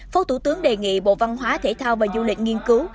phó thủ tướng đề nghị bộ văn hóa thể thao và du lịch nghiên cứu